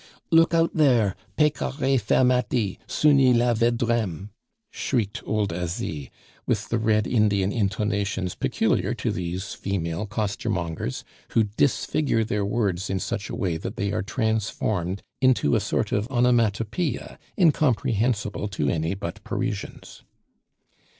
"Look out, there Pecaire fermati. Souni la Vedrem," shrieked old Asie, with the Red Indian intonations peculiar to these female costermongers, who disfigure their words in such a way that they are transformed into a sort onomatopoeia incomprehensible to any but Parisians.